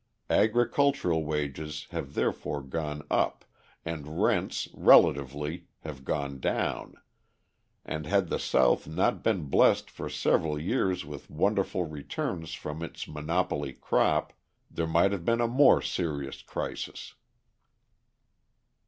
Agricultural wages have therefore gone up and rents, relatively, have gone down, and had the South not been blessed for several years with wonderful returns from its monopoly crop, there might have been a more serious crisis.